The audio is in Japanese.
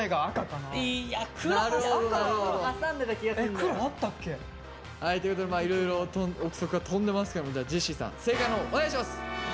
黒あったっけ。ということでいろいろ臆測が飛んでますけどもジェシーさん正解の方お願いします！